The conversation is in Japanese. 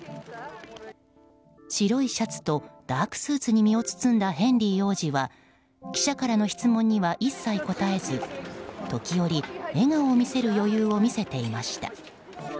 白いシャツとダークスーツに身を包んだヘンリー王子は記者からの質問には一切答えず時折、笑顔を見せる余裕を見せていました。